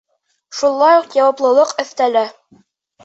Шулай уҡ яуаплылыҡ өҫтәлә.